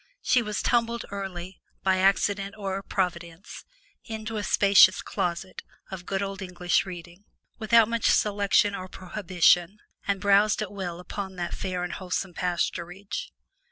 She was tumbled early, by accident or providence, into a spacious closet of good old English reading, without much selection or prohibition, and browsed at will upon that fair and wholesome pasturage.